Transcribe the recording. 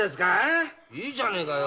いいじゃねえかよ。